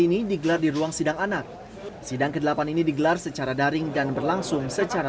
ini digelar di ruang sidang anak sidang ke delapan ini digelar secara daring dan berlangsung secara